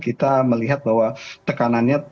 kita melihat bahwa tekanannya